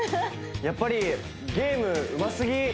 やっぱりゲームうますぎ